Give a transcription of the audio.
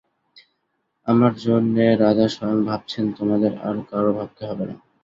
আমার জন্যে রাজা স্বয়ং ভাবছেন, তোমাদের আর কারো ভাবতে হবে না।